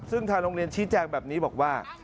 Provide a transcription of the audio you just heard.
ซึ่งทางโรงเรียนชี้แจงแบบนี้บอกว่า